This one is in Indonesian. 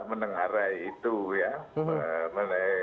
menengarai itu ya